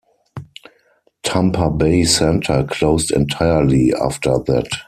Tampa Bay Center closed entirely after that.